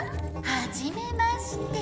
ははじめまして。